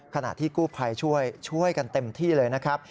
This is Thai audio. ขณะที่กู้ภัยช่วยกันเต็มที่เลยนะครับ